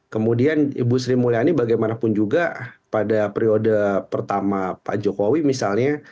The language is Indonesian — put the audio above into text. kemudian ibu sri mulyani bagaimanapun juga pada periode pertama pak jokowi misalnya